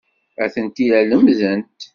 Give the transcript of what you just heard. Atenti la lemmdent.